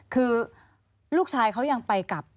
คือลูกชายเขายังไปกับ